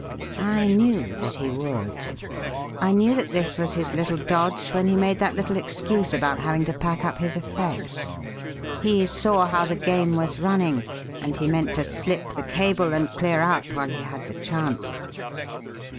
I knew that he would I knew that that was his little dodge when he made that little excuse about having to pack up his effects. He saw how the game was running and he meant to slip the cable and clear out while he had the chance."